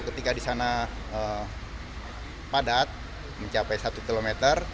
ketika di sana padat mencapai satu km